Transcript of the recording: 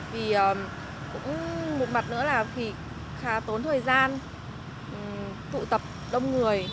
vì cũng một mặt nữa là vì khá tốn thời gian tụ tập đông người